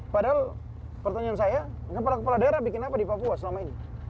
padahal pertanyaan saya kepala kepala daerah bikin apa di papua selama ini